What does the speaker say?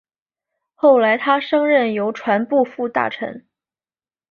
后来他升任邮传部副大臣。